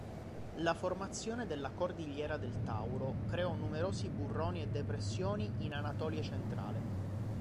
La formazione delle cordigliera del Tauro creò numerosi burroni e depressioni in Anatolia centrale.